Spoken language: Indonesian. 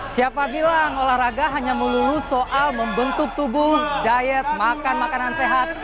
siapa bilang olahraga hanya melulu soal membentuk tubuh diet makan makanan sehat